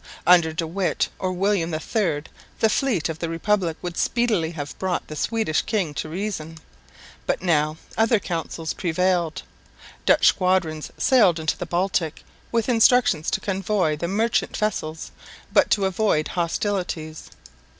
Under De Witt or William III the fleet of the Republic would speedily have brought the Swedish king to reason. But now other counsels prevailed. Dutch squadrons sailed into the Baltic with instructions to convoy the merchant vessels, but to avoid hostilities.